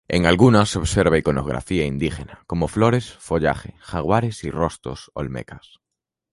En algunas se observa iconografía indígena, como flores, follaje, jaguares y rostros olmecas.